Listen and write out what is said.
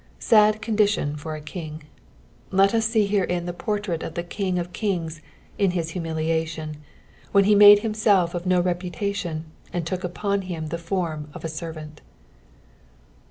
Sad condition fur a king I Let us see herein the portrait of the King of kings in his humiliation, when he made himself of no reputation, and took upon him the form of a servant.